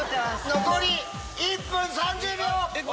残り１分３０秒！